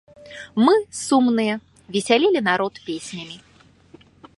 Мы, сумныя, весялілі народ песнямі.